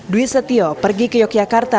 dwi setio pergi ke yogyakarta